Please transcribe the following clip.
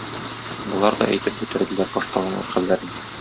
Болар да әйтеп бирделәр баштанаяк хәлләрен.